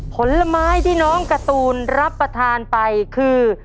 ผลไม้ที่น้องการ์ตูนรับประทานไปคือ